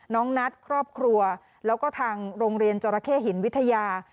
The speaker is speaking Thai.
น้องนัทครอบครัวแล้วก็ทางโรงเรียนจราเข้หินวิทยา